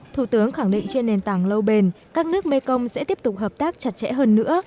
thủ tướng khẳng định trên nền tảng lâu bền các nước mekong sẽ tiếp tục hợp tác chặt chẽ hơn nữa